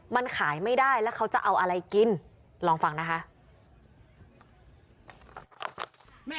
มันขายไม่ได้แล้วเขาจะเอาอะไรกินลองฟังนะคะ